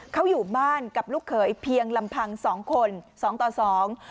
เขาอยู่บ้านกับลูกเขยเพียงลำพังสองคนสองต่อสอง